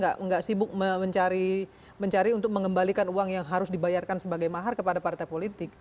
tidak sibuk mencari untuk mengembalikan uang yang harus dibayarkan sebagai mahar kepada partai politik